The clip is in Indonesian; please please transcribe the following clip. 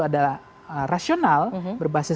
adalah rasional berbasis